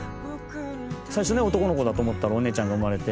最初ね男の子だと思ったらお姉ちゃんが生まれて。